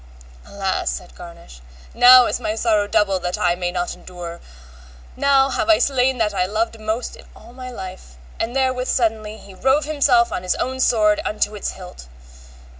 Alas, said Garnish, now is my sorrow double that I may not endure, now have I slain that I most loved in all my life; and therewith suddenly he rove himself on his own sword unto the hilts.